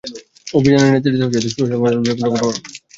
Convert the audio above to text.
অভিযানের নেতৃত্ব দেন চন্দ্রা রেঞ্জ অফিসের বিট কর্মকর্তা মীর বজলুর রহমান।